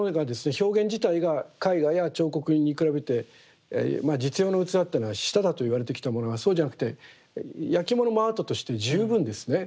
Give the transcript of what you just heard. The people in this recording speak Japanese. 表現自体が絵画や彫刻に比べて実用の器っていうのは下だといわれてきたものがそうじゃなくてやきものもアートとして十分ですね